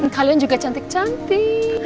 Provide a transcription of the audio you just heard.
kalian juga cantik cantik